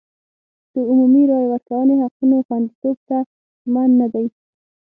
د عمومي رایې ورکونې حقونو خوندیتوب ته ژمن نه دی.